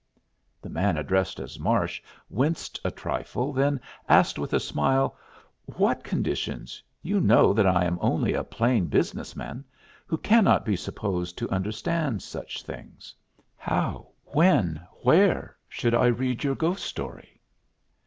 The man addressed as Marsh winced a trifle, then asked with a smile: "What conditions? You know that I am only a plain business man who cannot be supposed to understand such things. How, when, where should I read your ghost story?"